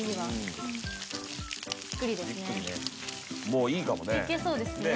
もういいかもね。